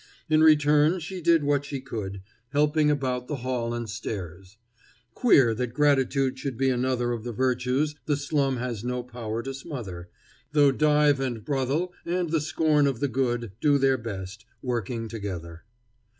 In return she did what she could, helping about the hall and stairs. Queer that gratitude should be another of the virtues the slum has no power to smother, though dive and brothel and the scorn of the good do their best, working together.